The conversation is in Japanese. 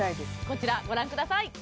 こちらご覧ください